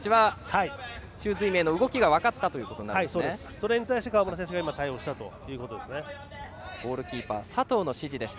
それに対して川村選手が対応したということです。